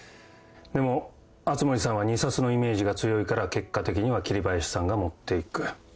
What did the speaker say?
でも熱護さんは２サスのイメージが強いから結果的には桐林さんが持っていく。